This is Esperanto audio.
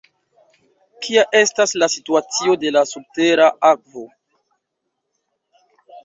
Kia estas la situacio de la subtera akvo?